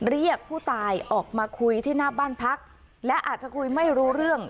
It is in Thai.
เรียกผู้ตายออกมาคุยที่หน้าบ้านพักและอาจจะคุยไม่รู้เรื่อง